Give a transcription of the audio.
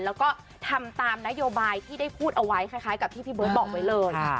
แล้วก็ทำตามนโยบายที่ได้พูดเอาไว้คล้ายกับที่พี่เบิร์ตบอกไว้เลย